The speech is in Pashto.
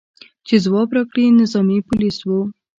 چې ځواب راکړي، نظامي پولیس و.